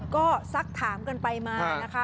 ก็สักถามกันไปมานะคะ